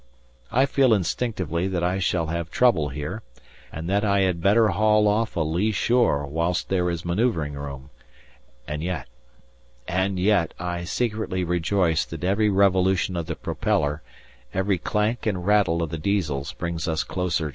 I feel instinctively that I shall have trouble here, and that I had better haul off a lee shore whilst there is manoeuvring room, and yet and yet I secretly rejoice that every revolution of the propeller, every clank and rattle of the Diesels brings us closer together.